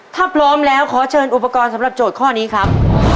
ถ้าพร้อมแล้วขอเชิญอุปกรณ์สำหรับโจทย์ข้อนี้ครับ